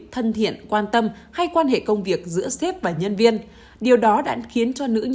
thân thiện quan tâm hay quan hệ công việc giữa xếp và nhân viên